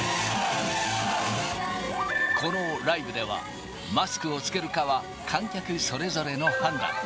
このライブでは、マスクを着けるかは観客それぞれの判断。